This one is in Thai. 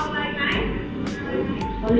สวัสดีครับ